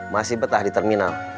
masih betah di terminal